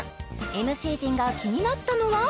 ＭＣ陣が気になったのは？